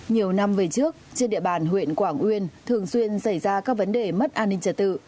nhiều năm về trước trên địa bàn huyện quảng uyên thường xuyên xảy ra các vấn đề mất an ninh trật tự